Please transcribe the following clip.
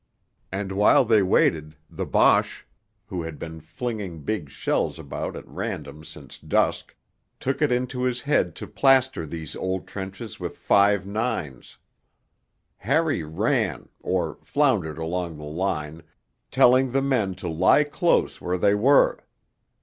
And while they waited, the Boche, who had been flinging big shells about at random since dusk, took it into his head to plaster these old trenches with 5 9's. Harry ran, or floundered along the line, telling the men to lie close where they were.